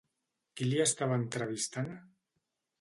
Qui li estava entrevistant?